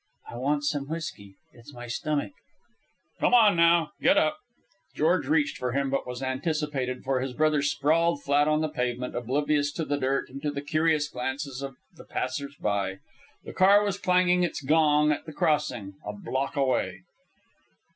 I want some whisky. It's my stomach." "Come on now, get up." George reached for him, but was anticipated, for his brother sprawled flat on the pavement, oblivious to the dirt and to the curious glances of the passers by. The car was clanging its gong at the crossing, a block away.